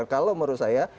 kalau menurut saya